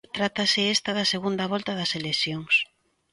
Trátase esta da segunda volta das eleccións.